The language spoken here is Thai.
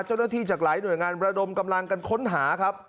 เจ้าหน้าที่จากหลายหน่วยงานบรดมกำลังกันค้นหาครับ